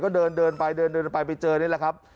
ก็เดินไปไปเจอนี่แหละครับ